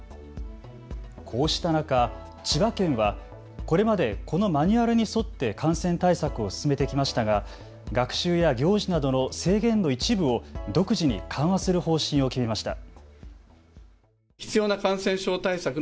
こうした中、千葉県はこれまでこのマニュアルに沿って感染対策を進めてきましたが学習や行事などの制限の一部を独自に緩和する方針を決めました。